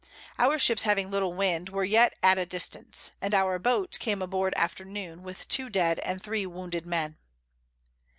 Our Ships having little Wind, were yet at a distance; and our Boat came aboard after noon, with two dead and three wounded Men.